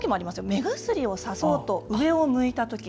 目薬をさそうと上を向いた時。